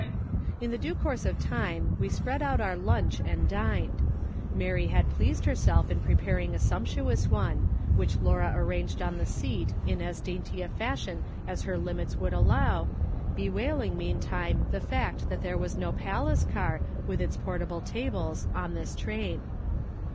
In due course of time we spread out our lunch and dined. Mary had pleased herself in preparing a sumptuous one, which Laura arranged on the seat ',n as dainty a fashion as her limits would allow, bewailing meantime the fact that there was no palaca car with its portable tables on this train.